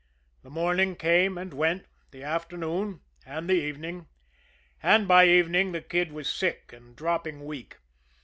The morning came and went, the afternoon, and the evening; and by evening the Kid was sick and dropping weak.